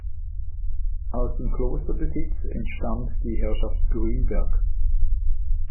Aus dem Klosterbesitz entstand die Herrschaft Grünberg.